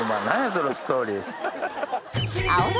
そのストーリー。